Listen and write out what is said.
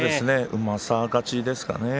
うまさ勝ちですかね。